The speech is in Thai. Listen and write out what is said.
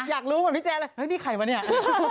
อยากรู้ก่อนพี่แจ๊นล่ะฮึ้ยนี่ใครวะเนี่ย